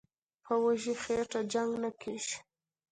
"په وږي خېټه جنګ نه کېږي".